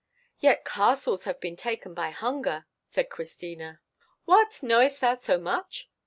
"Yet castles have been taken by hunger," said Christina. "What, knowest thou so much?